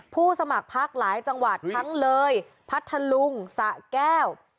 สมัครพักหลายจังหวัดทั้งเลยพัทธลุงสะแก้ว